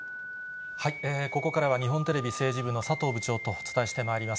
ここからは日本テレビ政治部の佐藤部長とお伝えしてまいります。